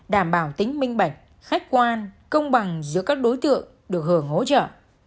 đảm bảo tính minh bạch khách quan công bằng giữa các đối tượng được hưởng hỗ trợ